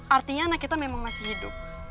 artinya anak kita memang masih hidup